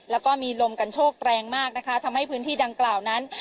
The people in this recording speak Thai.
และก็มีลมกันโชคแรงมากนะในพื้นที่ดังกล่าวนั้น